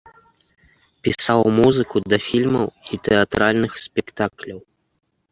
Пісаў музыку да фільмаў і тэатральных спектакляў.